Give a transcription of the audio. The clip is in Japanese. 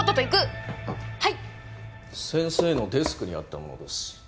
先生のデスクにあったものです。